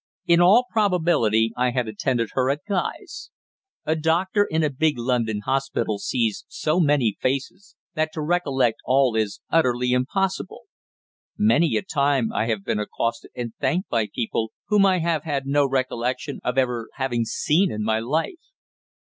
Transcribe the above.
In all probability I had attended her at Guy's. A doctor in a big London hospital sees so many faces that to recollect all is utterly impossible. Many a time I have been accosted and thanked by people whom I have had no recollection of ever having seen in my life.